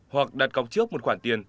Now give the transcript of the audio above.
hoặc đặt cọc trước một khoản tiền